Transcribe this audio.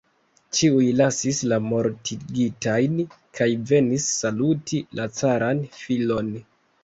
Ĉiuj lasis la mortigitajn kaj venis saluti la caran filon.